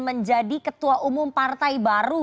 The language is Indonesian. menjadi ketua umum partai baru